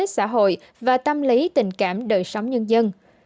xã hội và tâm lý tình cảm đời sống nhân dân